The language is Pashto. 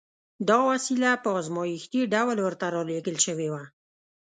دا وسيله په ازمايښتي ډول ورته را لېږل شوې وه.